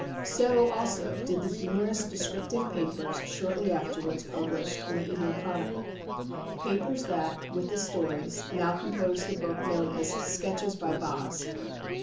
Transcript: So also did the humorous descriptive papers shortly afterwards published in The Evening Chronicle, papers that, with the stories, now compose the book known as "Sketches by Boz."